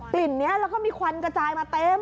่นนี้แล้วก็มีควันกระจายมาเต็ม